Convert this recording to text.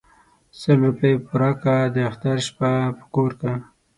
ـ سل روپۍ پوره كه داختر شپه په كور كه.